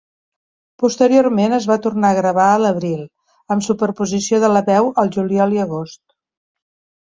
Posteriorment es va tornar a gravar a l'abril, amb superposició de la veu al juliol i agost.